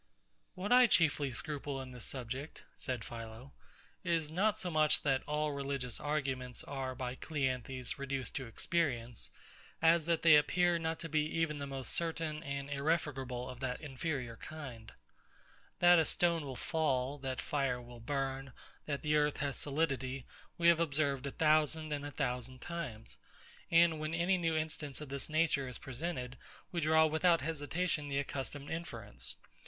What I chiefly scruple in this subject, said PHILO, is not so much that all religious arguments are by CLEANTHES reduced to experience, as that they appear not to be even the most certain and irrefragable of that inferior kind. That a stone will fall, that fire will burn, that the earth has solidity, we have observed a thousand and a thousand times; and when any new instance of this nature is presented, we draw without hesitation the accustomed inference.